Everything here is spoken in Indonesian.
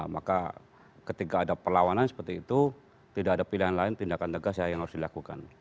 maka ketika ada perlawanan seperti itu tidak ada pilihan lain tindakan tegas ya yang harus dilakukan